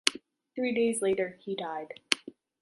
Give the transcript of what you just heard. Three days later, he died.